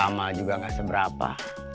sama juga nggak seberapa